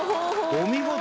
お見事！